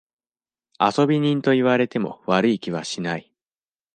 遊び人と言われても悪い気はしない。